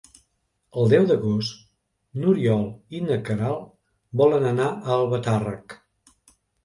El deu d'agost n'Oriol i na Queralt volen anar a Albatàrrec.